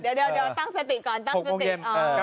เดี๋ยวตั้งสติก่อนตั้งสติออก